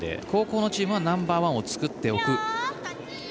後攻のチームはナンバーワンを作っておく？